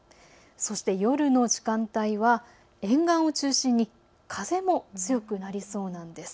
そして夜の時間帯は沿岸を中心に風も強くなりそうなんです。